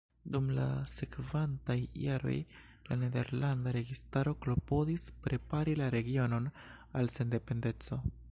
Dum la sekvantaj jaroj la nederlanda registaro klopodis prepari la regionon al sendependeco.